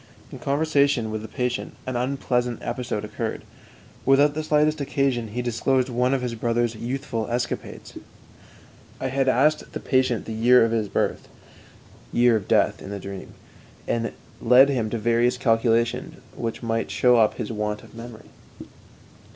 In conversation with the patient, an unpleasant episode occurred. Without the slightest occasion he disclosed one of his brother's youthful escapades. I had asked the patient the year of his birth (year of death in dream), and led him to various calculations which might show up his want of memory.